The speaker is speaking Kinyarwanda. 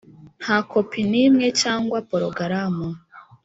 Nta kopi n imwe cyangwa porogaramu